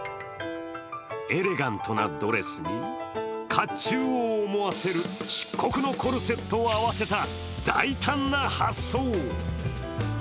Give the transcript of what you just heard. エレガントなドレスにかっちゅうを思わせる漆黒のコルセットを合わせた大胆な発想。